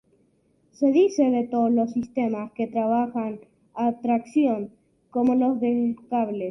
Se dice de todos los sistemas que trabajan a tracción, como los de cables.